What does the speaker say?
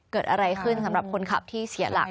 เกิดอะไรขึ้นสำหรับคนขับที่เสียหลัก